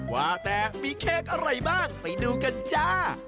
ว่าแต่มีเค้กอะไรบ้างไปดูกันจ้า